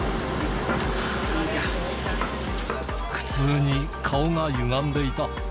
苦痛に顔がゆがんでいた。